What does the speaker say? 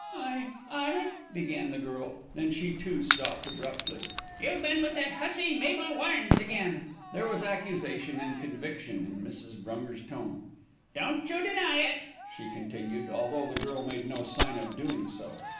"I I " began the girl, then she, too, stopped abruptly. "You've been with that hussy Mabel Warnes again." There was accusation and conviction in Mrs. Brunger's tone. "Don't you deny it," she continued, although the girl made no sign of doing so.